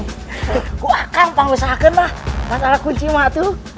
aku akan panggul saken lah masalah kunci emak tuh